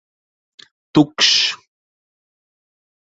Tukšs!